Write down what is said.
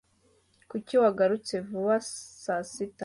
Kuki wagarutse vuba saa sita?